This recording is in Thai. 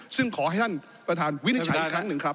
ซึ่งขอให้ท่านประธานวินิจฉัยอีกครั้งหนึ่งครับ